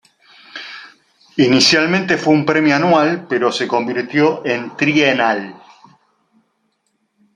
Inicialmente fue un premio anual, pero se convirtió en trienal.